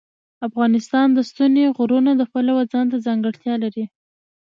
افغانستان د ستوني غرونه د پلوه ځانته ځانګړتیا لري.